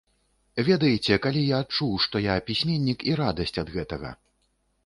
Ведаеце, калі я адчуў, што я пісьменнік і радасць ад гэтага?